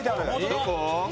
どこ？